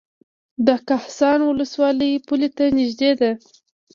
د کهسان ولسوالۍ پولې ته نږدې ده